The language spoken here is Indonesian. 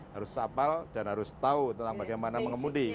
harus sapal dan harus tahu tentang bagaimana mengemudi